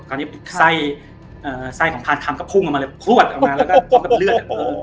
คราวนี้ไส้ของพานคำก็พุ่งออกมาเลยพลวดออกมาแล้วก็พบกับเลือด